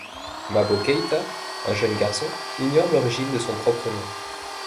Mabo Keïta, un jeune garçon, ignore l'origine de son propre nom.